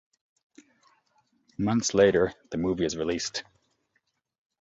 Months later, the movie is released.